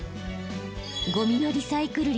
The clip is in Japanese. ゴミのリサイクル率